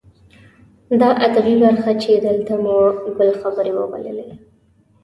دا ادبي برخه چې دلته مو ګل خبرې وبللې.